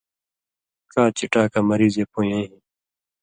ڇا چٹاکہ مریضے پویَیں ہِن